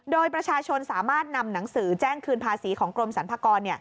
โดยประชาชนสามารถนำหนังสือแจ้งคืนภาษีของกรมสรรพากร